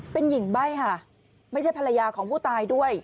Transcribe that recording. เป็นหญิงใบ้ค่ะไม่ใช่ภรรยาของผู้ตายด้วย